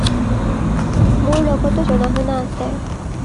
মোৰ লগতো জনা-শুনা আছে।